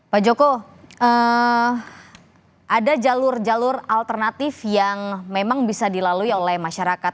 pak joko ada jalur jalur alternatif yang memang bisa dilalui oleh masyarakat